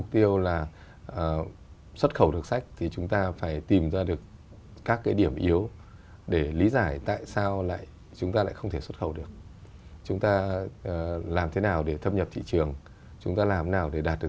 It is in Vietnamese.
thị trường chúng ta làm thế nào để đạt được